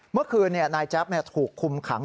เมื่อคืนนายแจ๊บถูกคุมขัง